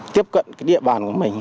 tiếp cận cái địa bàn của mình